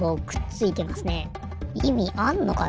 いみあんのかな？